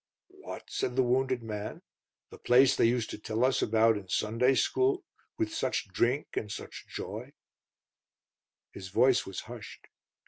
"What," said the wounded man, "the place they used to tell us about in Sunday school? With such drink and such joy " His voice was hushed.